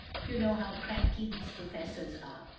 You know how cranky these professors are.